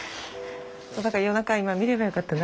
「夜中今見ればよかったな。